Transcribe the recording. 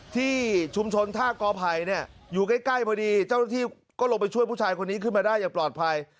ที่ชุมชนท่ากอไผ่เนี่ยอยู่ใกล้พอดีเจ้าหน้าที่ก็ลงไปช่วยผู้ชายคนนี้ขึ้นมาได้อย่างปลอดภัย